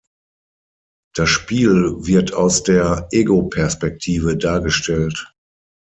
Das Spiel wird aus der Egoperspektive dargestellt.